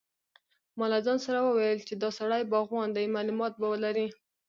ما له ځان سره وویل چې دا سړی باغوان دی معلومات به ولري.